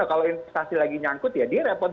kalau investasi lagi nyangkut ya dia repot